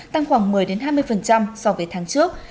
tăng khoảng một mươi hai mươi so với tháng trước